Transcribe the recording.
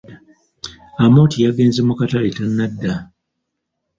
Amooti yagenze mu katale tanadda.